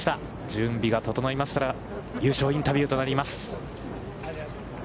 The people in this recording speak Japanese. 準備が整いましたら優勝インタビューとなります。